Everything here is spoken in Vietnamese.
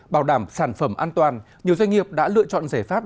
bảo đảm sản phẩm an toàn nhiều doanh nghiệp đã lựa chọn giải pháp